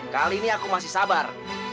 kali ini aku masih sabar